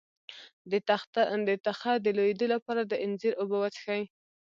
د تخه د لوییدو لپاره د انځر اوبه وڅښئ